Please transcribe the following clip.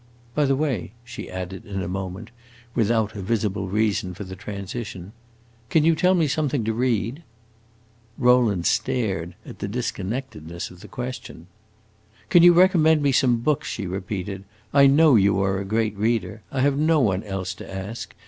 By the way," she added in a moment, without a visible reason for the transition, "can you tell me something to read?" Rowland stared, at the disconnectedness of the question. "Can you recommend me some books?" she repeated. "I know you are a great reader. I have no one else to ask.